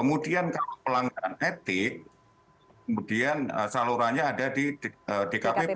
kemudian kalau pelanggaran etik kemudian salurannya ada di dkpp